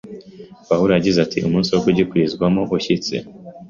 pawulo yagize ati munsi wo gukirizwamo ushyitse